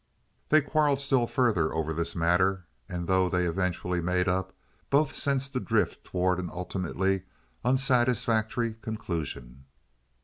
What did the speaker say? They quarreled still further over this matter, and, though they eventually made up, both sensed the drift toward an ultimately unsatisfactory conclusion.